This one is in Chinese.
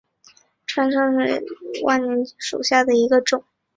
川上氏鸭舌疝为鸭跖草科假紫万年青属下的一个种。